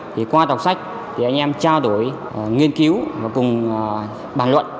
thì qua đọc sách thì anh em trao đổi nghiên cứu và cùng bàn luận